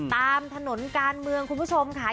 ตามถนนการเมืองคุณผู้ชมค่ะ